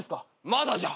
まだじゃ。